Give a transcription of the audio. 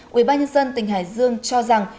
quỹ ban nhân dân tỉnh hải dương cho rằng